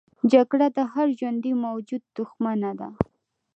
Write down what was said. جګړه د هر ژوندي موجود دښمنه ده